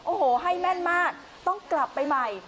โอ้โหให้แม่นมากต้องกลับไปใหม่